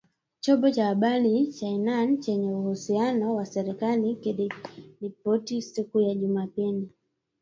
Chombo cha habari cha Iran chenye uhusiano na serikali kiliripoti siku ya Jumapili,